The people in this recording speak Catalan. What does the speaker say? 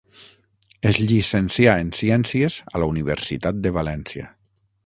Es llicencià en ciències a la Universitat de València.